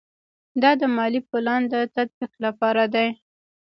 دا د مالي پلان د تطبیق لپاره دی.